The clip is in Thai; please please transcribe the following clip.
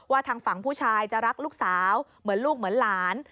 ทางฝั่งผู้ชายจะรักลูกสาวเหมือนลูกเหมือนหลาน